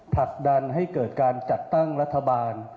ผลักดันให้เกิดการจัดตั้งรัฐบาล